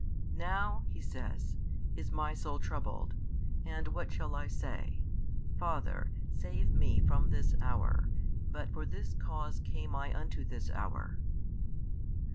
Now, He says, is my soul troubled; and what shall I say? Father, save one from this hour: but for this cause came I unto this hour.